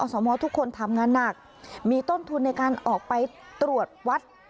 สมทุกคนทำงานหนักมีต้นทุนในการออกไปตรวจวัด